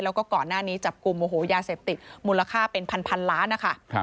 แล้วก็ก่อนหน้านี้จับกลุ่มโอ้โหยาเสพติดมูลค่าเป็นพันล้านนะคะ